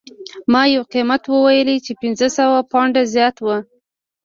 ما یو قیمت وویل چې پنځه سوه پونډه زیات و